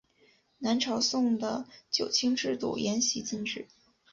南朝宋的九卿制度沿袭晋制。